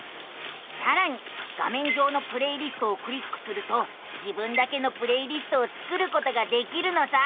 さらに画めん上の「プレイリスト」をクリックすると自分だけのプレイリストを作ることができるのさあ。